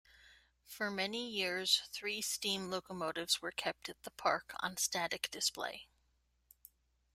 For many years, three steam locomotives were kept at the park, on static display.